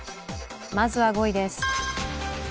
まずは５位です。